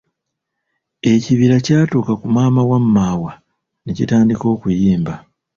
Ekibira kyatuuka ku maama wa Maawa ne kitandika okuyimba,